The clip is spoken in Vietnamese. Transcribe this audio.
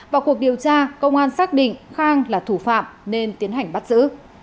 vào cuộc điều tra công an xác định khang là thủ phạm nên tiến hành bắt giữ